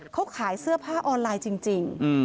เขาขายเสื้อผ้าออนไลน์จริง